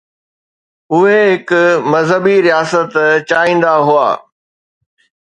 اهي هڪ مذهبي رياست چاهيندا هئا؟